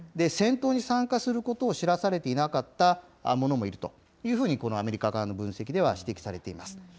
戦闘に参加することを知らされていなかった者もいるというふうにこのアメリカ側の分析では指摘されています。